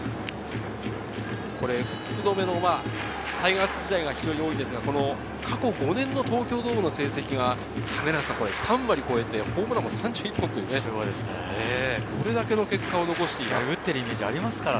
福留のタイガース時代は非常に多いですが、過去５年の東京ドームの成績が３割超えてホームランも３１本という、これだけの結果を残しています。